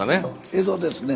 江戸ですね。